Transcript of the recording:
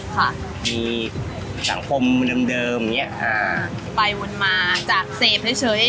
ค่ะมีสังคมเดิมเดิมเนี้ยอ่าไปวนมาจากเสพเท่าเช้ย